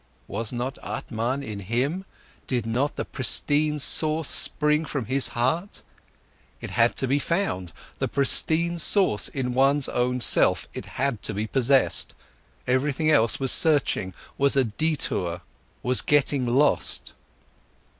Was not Atman in him, did not the pristine source spring from his heart? It had to be found, the pristine source in one's own self, it had to be possessed! Everything else was searching, was a detour, was getting lost.